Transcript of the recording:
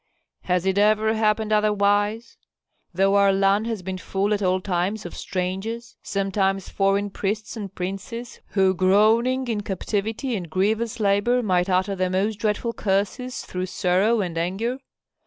Has it ever happened otherwise, though our land has been full at all times of strangers, sometimes foreign priests and princes, who groaning in captivity and grievous labor might utter the most dreadful curses through sorrow and anger?